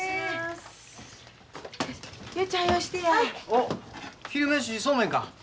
おっ昼飯そうめんか。